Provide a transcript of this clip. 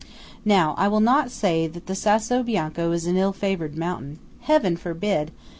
Now I will not say that the Sasso Bianco is an ill favoured mountain–Heaven forbid!